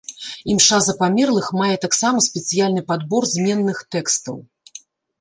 Імша за памерлых мае таксама спецыяльны падбор зменных тэкстаў.